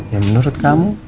ya menurut kamu